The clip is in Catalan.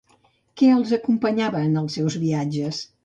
Què els acompanyava en els seus viatges?